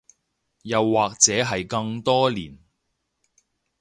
又或者係更多年